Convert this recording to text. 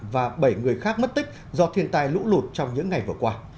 và bảy người khác mất tích do thiên tai lũ lụt trong những ngày vừa qua